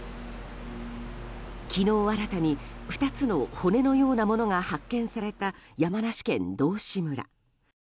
昨日新たに２つの骨のようなものが発見された山梨県道志村。